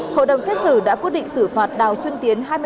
hội đồng xét xử đã quyết định xử phạt đào xuân tiến hai mươi năm năm